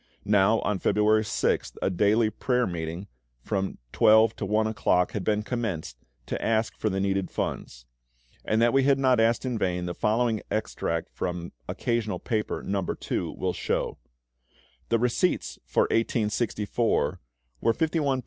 Now on February 6th a daily prayer meeting, from 12 to 1 o'clock, had been commenced, to ask for the needed funds. And that we had not asked in vain, the following extract from "Occasional Paper, No. II." will show: "The receipts for 1864 were £51:14s.